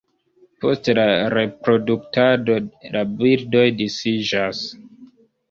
Post la reproduktado la birdoj disiĝas.